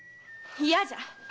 嫌じゃ！